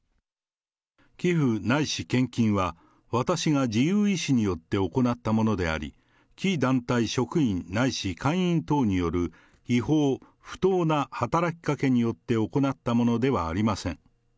寄付ないし献金は、私が自由意思によって行ったものであり、貴団体職員ないし会員等による違法、不当な働きかけによって行ったものではありません。